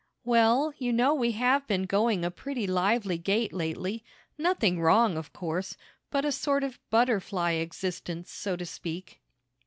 "Well, you know we have been going a pretty lively gait lately, nothing wrong, of course, but a sort of butterfly existence, so to speak."